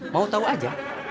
mau tau aja